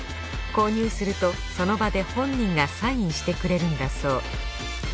購入するとその場で本人がサインしてくれるんだそう。